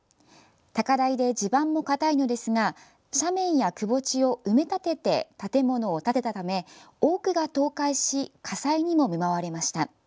高台で地盤も固いのですが斜面やくぼ地を埋め立てて建物を建てたため多くが倒壊し火災にも見舞われました。